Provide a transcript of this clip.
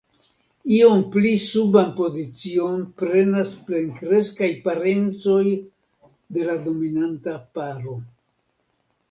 Iom pli suban pozicion prenas plenkreskaj parencoj de la dominanta paro.